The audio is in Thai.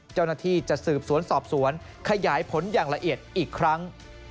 เจ้าหน้าที่จะสืบสวนสอบสวนขยายผลอย่างละเอียดอีกครั้ง